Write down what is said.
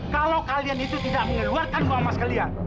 kalau kalian itu tidak mengeluarkan uang emas kalian